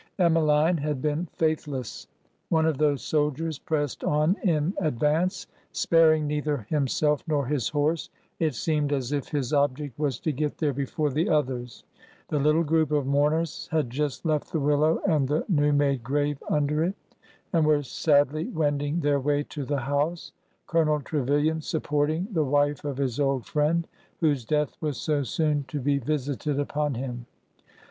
Emmeline had been faith less. One of those soldiers pressed on in advance, spar ing neither himself nor his horse. It seemed as if his object was to get there before the others. The little group of mourners had just left the willow and the new made grave under it, and were sadly wending their way to the house, Colonel Trevilian supporting the wife of his old friend, whose death was so soon to be vis ited upon him.